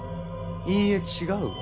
いいえ違うわ。